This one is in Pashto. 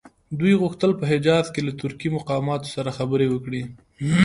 دوی غوښتل په حجاز کې له ترکي مقاماتو سره خبرې وکړي.